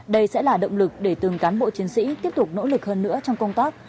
đây sẽ là động lực để từng cán bộ chiến sĩ tiếp tục nỗ lực hơn nữa trong công tác